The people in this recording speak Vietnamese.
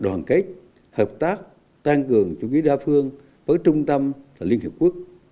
đồng hành kết hợp tác tăng cường chủ nghĩa đa phương với trung tâm và liên hợp quốc